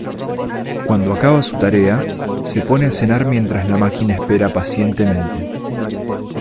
Cuando acaba su tarea, se pone a cenar mientras la máquina espera pacientemente.